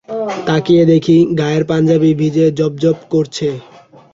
তাকিয়ে দেখি গায়ের পাঞ্জাবি ভিজে জবজব করছে।